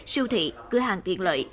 siêu thị cửa hàng tiện lợi